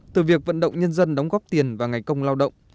từ việc vận động nhân dân đóng góp tiền và ngày công lao động